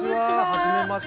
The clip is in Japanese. はじめまして。